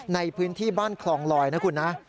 ในพื้นที่บ้านคลองลอยนะคุณนะ